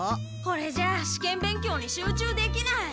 これじゃあ試験勉強に集中できない。